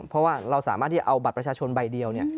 เพราะว่าเราสามารถที่จะเอาบัตรประชาชนใบเดียว